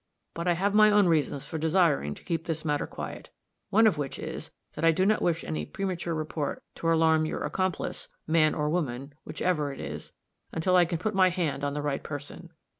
But I have my own reasons for desiring to keep this matter quiet one of which is that I do not wish any premature report to alarm your accomplice, man or woman, whichever it is, until I can put my hand on the right person."